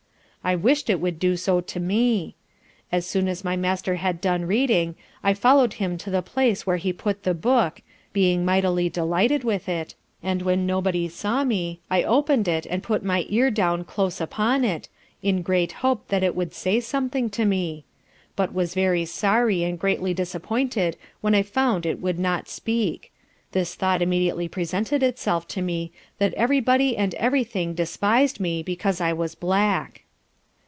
I wished it would do so to me. As soon as my master had done reading I follow'd him to the place where he put the book, being mightily delighted with it, and when nobody saw me, I open'd it and put my ear down close upon it, in great hope that it wou'd say something to me; but was very sorry and greatly disappointed when I found it would not speak, this thought immediately presented itself to me, that every body and every thing despis'd me because I was black.